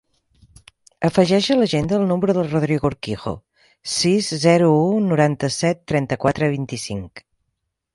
Afegeix a l'agenda el número del Rodrigo Urquijo: sis, zero, u, noranta-set, trenta-quatre, vint-i-cinc.